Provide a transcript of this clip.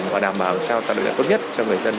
và đảm bảo sao ta được đạt tốt nhất cho người dân